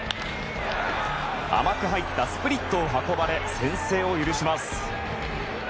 甘く入ったスプリットを運ばれ先制を許します。